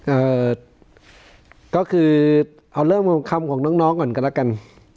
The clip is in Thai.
เอ่อก็คือเอาเริ่มคำของน้องน้องก่อนกันแล้วกัน